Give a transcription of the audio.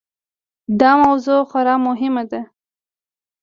دا موضوع خورا مهمه وه.